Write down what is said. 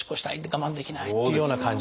我慢できない！っていうような感じ。